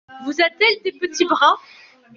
Vous a-t-elle des petits bras !…